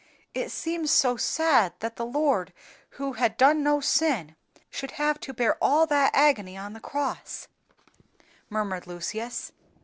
"It seems so sad that the Lord, who had done no sin, should have to bear all that agony on the cross," murmured Lucius.